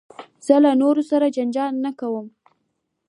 زه له نورو سره جنجال نه کوم.